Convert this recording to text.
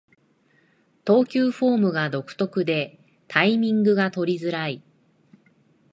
投球フォームが独特でタイミングが取りづらい